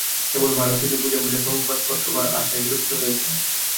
কেবল ভারত থেকে বোঝা বোঝা সংবাদপত্র আসায় বিরক্ত হয়েছিলাম।